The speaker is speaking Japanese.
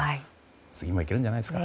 次もいけるんじゃないですか？